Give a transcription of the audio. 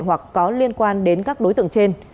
hoặc có liên quan đến các đối tượng trên